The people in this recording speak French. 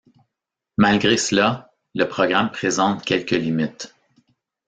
Malgré cela, le programme présente quelques limites.